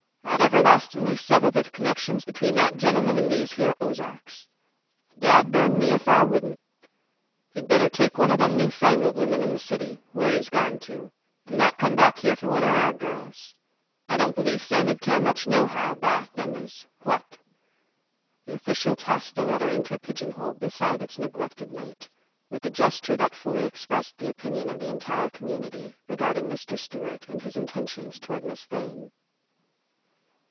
I'd everlastin'ly seva' th' connections between that gentleman an' these here Ozarks. Dad burn me, if I wouldn't. He'd better take one o' them new fangled women in th' city, where he's gone to, an' not come back here for one o' our girls. I don't believe Sammy'd care much, nohow, ba thundas! What!" The official tossed the letter into a pigeon hole beside its neglected mate, with a gesture that fully expressed the opinion of the entire community, regarding Mr. Stewart and his intentions toward Miss Lane.